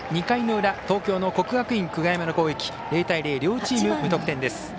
２回の裏東京の国学院久我山の攻撃０対０、両チーム無得点です。